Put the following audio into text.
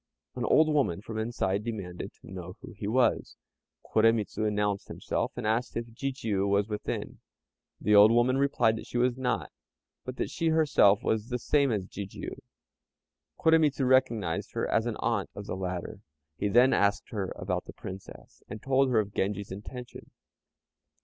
An old woman from the inside demanded to know who he was. Koremitz announced himself, and asked if Jijiû was within. The old women replied that she was not, but that she herself was the same as Jijiû. Koremitz recognized her as an aunt of the latter. He then asked her about the Princess, and told her of Genji's intention.